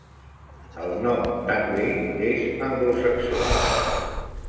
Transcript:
El nom Tangley és anglosaxó.